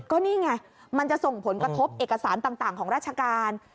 ก็นี่ไงมันจะส่งผลกระทบเอกสารต่างของราชการ